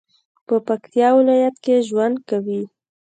په پکتیا ولایت کې ژوند کوي